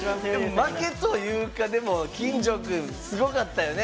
負けというか金城くんすごかったよね。